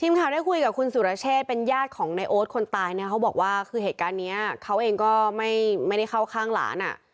ทีมข่าวได้คุยกับคุณสุรเชษเป็นญาติของในโอ๊ตคนตายเนี่ยเขาบอกว่าคือเหตุการณ์เนี้ยเขาเองก็ไม่ได้เข้าข้างหลานอ่ะ